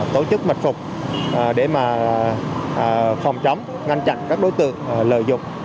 tổ chức mạch phục để phòng chống ngăn chặn các đối tượng lợi dụng